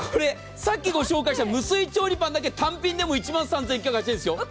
さっきご紹介した無水調理パンだけ単品でも１万３９８０円ですよ。